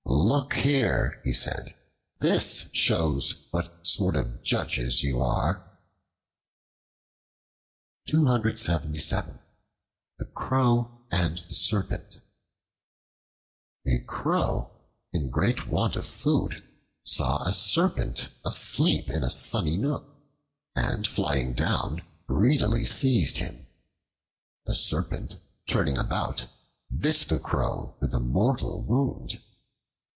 "Look here," he said, "this shows what sort of judges you are." The Crow and the Serpent A CROW in great want of food saw a Serpent asleep in a sunny nook, and flying down, greedily seized him. The Serpent, turning about, bit the Crow with a mortal wound.